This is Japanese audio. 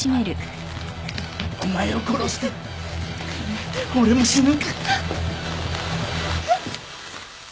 お前を殺して俺も死ぬ。